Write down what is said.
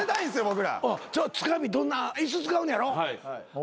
つかみどんな椅子使うんねやろ？